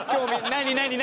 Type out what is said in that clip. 「何？